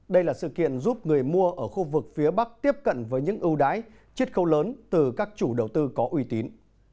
đây là sự kiện giúp người mua ở khu vực phía bắc tiếp cận với những ưu đái chiết khấu lớn từ các chủ đầu tư có uy tín